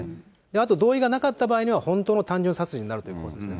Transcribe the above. あと、同意がなかった場合には、本当に単純殺人になるということですね。